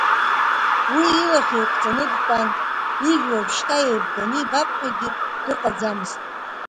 Уи илахь еиқәҵаны дтәан ижә уажәшьҭа еибганы ибапҳәагьы дыҟаӡамызт.